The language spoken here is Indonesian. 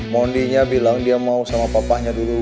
mondinya bilang dia mau sama papanya dulu